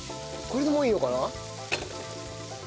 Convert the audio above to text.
これでもういいのかな？